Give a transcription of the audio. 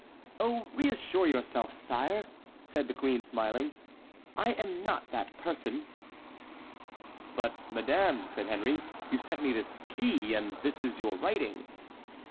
"Oh, reassure yourself, sire," said the queen, smiling; "I am not that person." "But, madame," said Henry, "you sent me this key, and this is your writing."